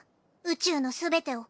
宇宙の全てを。